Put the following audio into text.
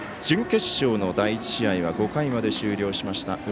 準決勝の第１試合は５回まで終了しました。